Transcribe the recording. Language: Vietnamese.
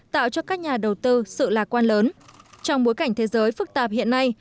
tạo cho các nhà đầu tư sự lạc quan lớn trong bối cảnh thế giới phức tạp hiện nay